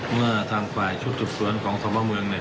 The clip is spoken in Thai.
เมื่อทางฝ่ายชุดสืบสวนของสมภาพเมืองเนี่ย